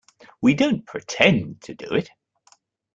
We don't pretend to do it.